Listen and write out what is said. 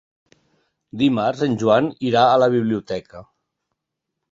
Dimarts en Joan irà a la biblioteca.